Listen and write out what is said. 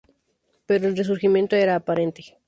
Pero el resurgimiento era aparente.